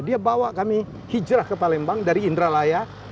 dia bawa kami hijrah ke palembang dari indralaya